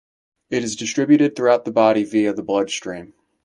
It is distributed throughout the body via the blood stream.